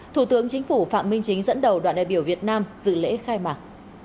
thủ tướng chính phủ phạm minh chính dẫn đầu đoàn đại biểu việt nam dự lễ khai mạc